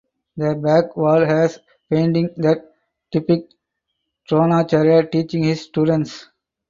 The back wall has paintings that depict Dronacharya teaching his students.